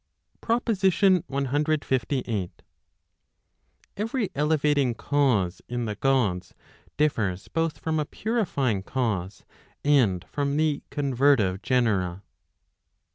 PROPOSITION CLVIII. Every elevating cause in the Gods, differs both from a purifying cause, and from the convertive genera.